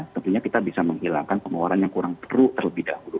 tentunya kita bisa menghilangkan pengeluaran yang kurang perlu terlebih dahulu